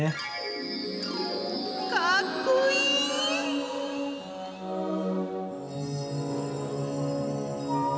かっこいいー。